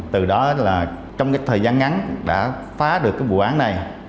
từ đó là trong thời gian ngắn đã phá được vụ án này